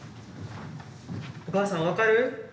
お母さん分かる？